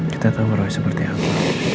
kita tau roy seperti apa